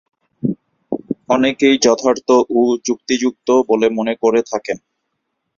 অনেকেই যথার্থ ও যুক্তিযুক্ত বলে মনে করে থাকেন।